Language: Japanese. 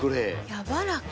やわらか。